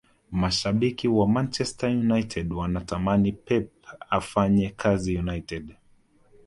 mashabiki wa manchester united wanatamani pep afanye kazi united